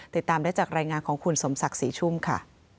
ติดตามได้จากรายงานของคุณสมศักดิ์ศรีชุ่มค่ะ